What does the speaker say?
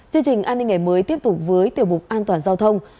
chương trình an ninh ngày mới tiếp tục với tiểu mục an toàn giao thông